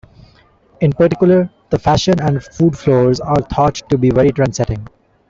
In particular, the fashion and food floors are thought to be very trendsetting.